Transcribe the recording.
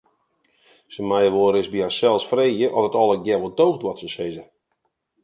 Se meie wolris by harsels freegje oft it allegearre wol doocht wat se sizze.